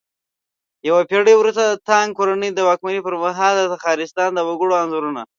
يوه پېړۍ وروسته د تانگ کورنۍ د واکمنۍ پرمهال د تخارستان د وگړو انځورونه